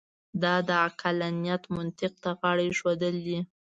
دا د عقلانیت منطق ته غاړه اېښودل دي.